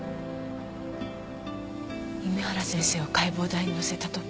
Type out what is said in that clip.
弓原先生を解剖台にのせた時。